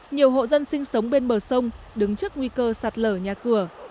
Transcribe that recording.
nhiều hộ dân sinh sống bên bờ sông đứng trước nguy cơ sạt lở nhà cửa